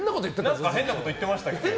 何か変なこと言ってました？